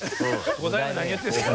５代目何言ってるんですか？